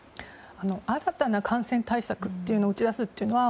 新たな感染対策を打ち出すというのは